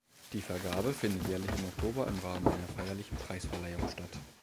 Die Vergabe findet jährlich im Oktober im Rahmen einer feierlichen Preisverleihung statt.